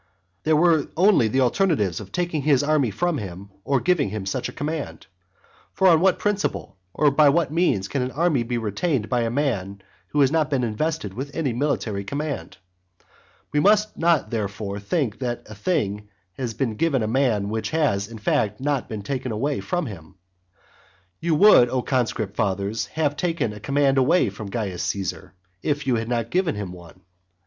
There were only the alternatives of taking his army from him, or giving him such a command. For on what principle or by what means can an army be retained by a man who has not been invested with any military command? We must not, therefore, think that a thing has been given to a man which has, in fact, not been taken away from him. You would, O conscript fathers, have taken a command away from Caius Caesar, if you had not given him one.